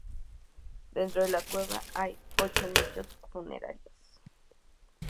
Dentro de la cueva hay ocho nichos funerarios.